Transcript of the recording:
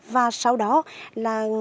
và sau đó là